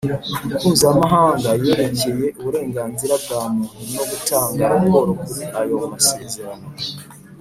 Mpuzamahanga yerekeye uburenganzira bwa Muntu no gutanga raporo kuri ayo masezerano